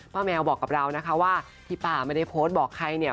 แมวบอกกับเรานะคะว่าที่ป้าไม่ได้โพสต์บอกใครเนี่ย